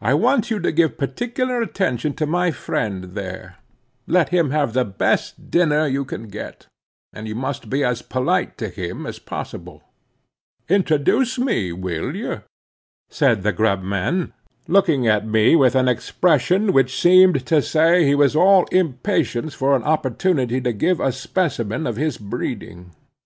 "I want you to give particular attention to my friend there; let him have the best dinner you can get. And you must be as polite to him as possible." "Introduce me, will you?" said the grub man, looking at me with an expression which seem to say he was all impatience for an opportunity to give a specimen of his breeding.